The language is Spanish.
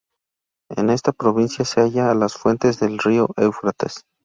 En esta provincia se halla las fuentes del río Éufrates.